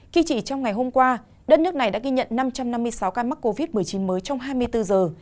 khi chỉ trong ngày hôm qua đất nước này đã ghi nhận năm trăm năm mươi sáu ca mắc covid một mươi chín mới trong hai mươi bốn giờ